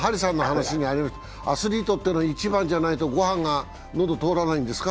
アスリートっていうのは１番じゃないと御飯が喉を通らないんですか？